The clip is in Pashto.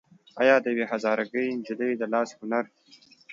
او د يوې هزاره ګۍ نجلۍ د لاس هنر